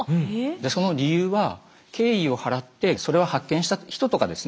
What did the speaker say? その理由は敬意を払ってそれを発見した人とかですね